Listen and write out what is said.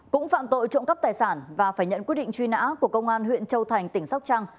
cũng phạm tội trộm cắp tài sản và phải nhận quyết định truy nã của công an huyện châu thành tỉnh sóc trăng